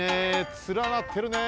つらなってるねえ。